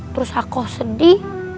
terus aku sedih